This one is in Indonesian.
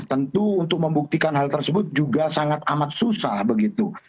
tentu untuk membuktikan hal tersebut juga sangat amat susah begitu